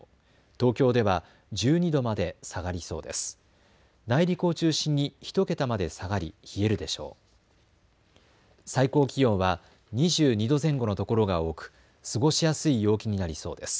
東京では１２度まで下がりそうです。